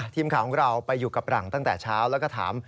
ทีมข่าวของเราไปอยู่กับหลังตั้งแต่เช้าแล้วก็ถาม